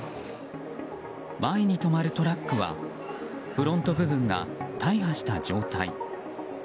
前に止まるトラックはフロント部分が大破した状態。